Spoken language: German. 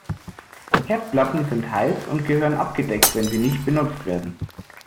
Herdplatten sind heiß und gehören abgedeckt, wenn sie nicht benutzt werden.